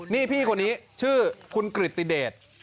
นี่พี่คนนี้ชื่อคุณกริติเดช